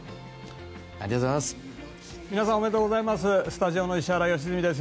ありがとうございます。